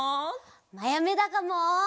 まやめだかも。